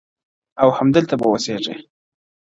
او همدلته به اوسېږي -